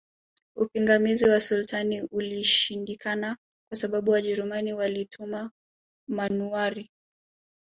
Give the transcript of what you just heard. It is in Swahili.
Upingamizi wa Sultani ulishindikana kwa sababu Wajerumani walituma manuwari